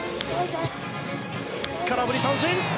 空振り三振！